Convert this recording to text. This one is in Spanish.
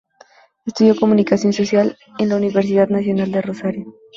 Estudió Comunicación social en la Universidad Nacional de Rosario.